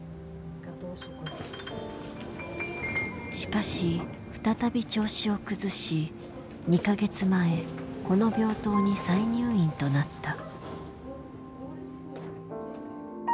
しかし再び調子を崩し２か月前この病棟に再入院となった。